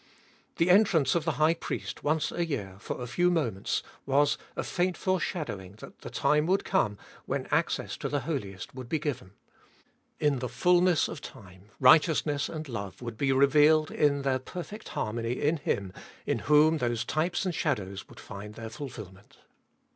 The entrance of the high priest once a year for a few moments was a faint foreshadowing that the time would come when access to the Holiest would be given. In the fulness of time righteousness and love would be revealed in their perfect harmony in Him, in whom those types and shadows would find their fulfilment.